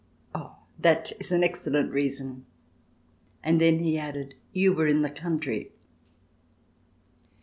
"Oh, that is an excellent reason." And then he added: "You were in the country!"